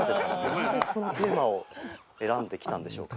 なぜこのテーマを選んできたんでしょうか？